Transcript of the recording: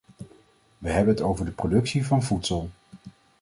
We hebben het over de productie van voedsel.